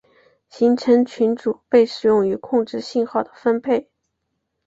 行程群组被使用于控制信号的分配。